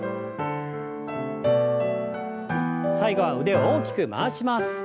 最後は腕を大きく回します。